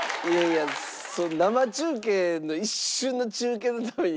いやいや生中継の一瞬の中継のために。